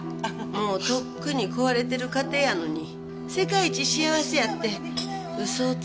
もうとっくに壊れてる家庭やのに世界一幸せやって嘘をついた。